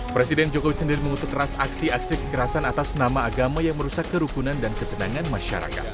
presiden jokowi sendiri mengutuk keras aksi aksi kekerasan atas nama agama yang merusak kerukunan dan ketenangan masyarakat